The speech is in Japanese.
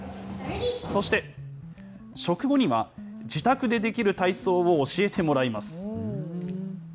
そして、食後には、自宅でできる体操を教えてもらいます。